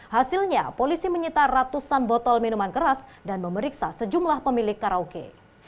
hasilnya polisi menyita ratusan botol minuman keras dan memeriksa sejumlah pemilik karaoke